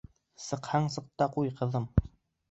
Сыҡһаң, сыҡ та ҡуй, ҡыҙым!